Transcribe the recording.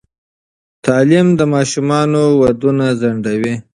تعلیم د ماشومانو ودونه ځنډوي.